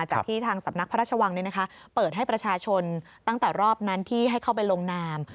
จากที่ทางสำนักพระราชวังเปิดให้ประชาชนตั้งแต่รอบนั้นที่ให้เข้าไปลงนาม